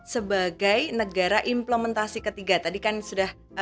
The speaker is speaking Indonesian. sebagai negara implementasi ketiga tadi kan sudah